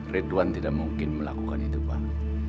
ridwan tidak mungkin melakukan itu pak